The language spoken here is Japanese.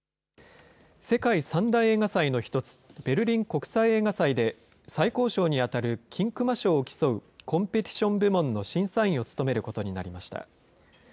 世界３大映画祭の１つ、ベルリン国際映画祭で最高賞に当たる金熊賞を競うコンペティション部門の審査員を務めることになりました。